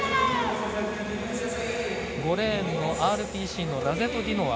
５レーンのＲＰＣのラゼトディノワ。